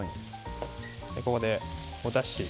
ここでおだし。